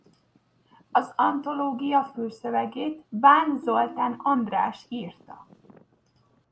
Az antológia fülszövegét Bán Zoltán András írta.